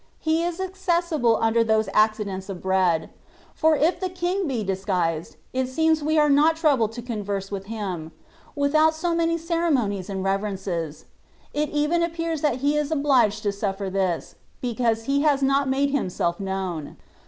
He is accessible imder those ac cidents of bread ; for if the King be disguised^ it seems we are not troubled to converse with Him, without so many ceremonies and reverences; it even appears that He is obliged to suffer this, because He has not made Himself known.